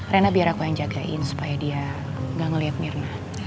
rena biar aku yang jagain supaya dia gak ngeliat mirna